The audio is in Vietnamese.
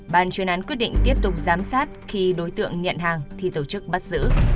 bàn truyền án quyết định tiếp tục giám sát khi đối tượng nhận hàng thì tổ chức bắt giữ